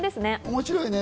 面白いね。